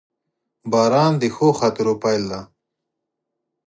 • باران د ښو خاطرو پیل دی.